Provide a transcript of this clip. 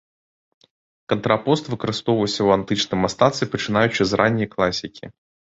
Кантрапост выкарыстоўваўся ў антычным мастацтве пачынаючы з ранняй класікі.